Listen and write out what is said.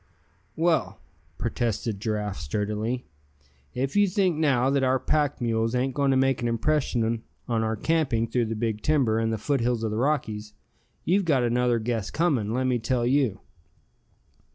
"Well," protested Giraffe, sturdily, "if you think now, that our pack mules ain't going to make an impression on our camping through the big timber, and the foothills of the Rockies, you've got another guess coming, let me tell you."